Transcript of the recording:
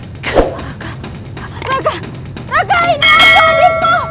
raka raka ini adalah dismu